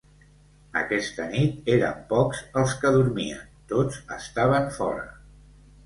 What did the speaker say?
Aquesta nit eren pocs els que dormien, tots estaven fora.